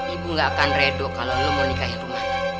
ibu gak akan redo kalau lu mau nikahin rumana